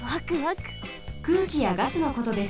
くうきやガスのことです。